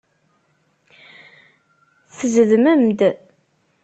Tezdmem-d.